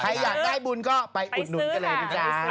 อยากได้บุญก็ไปอุดหนุนกันเลยนะจ๊ะ